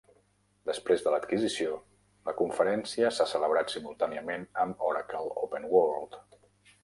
Després de l'adquisició, la conferència s'ha celebrat simultàniament amb Oracle OpenWorld.